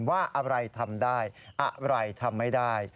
ว่าอะไรทำได้อะไรทำไม่ได้